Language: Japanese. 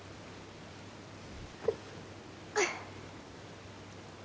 うっ。